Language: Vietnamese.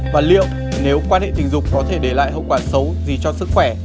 và liệu nếu quan hệ tình dục có thể để lại hậu quả xấu gì cho sức khỏe